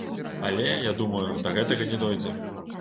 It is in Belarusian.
Але, я думаю, да гэтага не дойдзе.